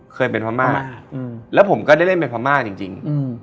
เคยเป็นพม่ามาแล้วผมก็ได้เล่นเป็นพม่าจริง